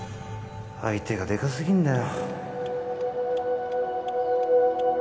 相手がデカすぎんだよ